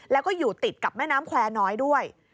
แล้วก็อยู่ติดกับแม่น้ำแควร์น้อยด้วย